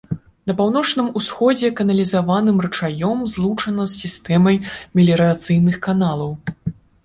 На паўночным усходзе каналізаваным ручаём злучана з сістэмай меліярацыйных каналаў.